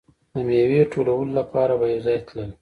د میوې ټولولو لپاره به یو ځای تلل.